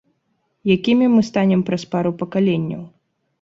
Якімі мы станем праз пару пакаленняў?